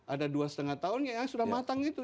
ada dua setengah tahun ya sudah matang itu